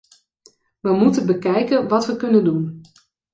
We moeten bekijken wat we kunnen doen.